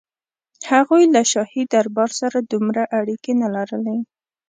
هغوی له شاهي دربار سره دومره اړیکې نه لرلې.